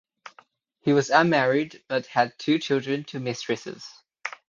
He was unmarried but had two children to mistresses.